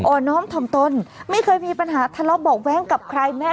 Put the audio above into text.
โอ้น้องทำตนไม่เคยมีปัญหาทะเลาะบอกแว้งกับใครแม่